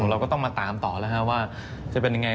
เราก็ต้องมาตามต่อแล้วว่าจะเป็นยังไง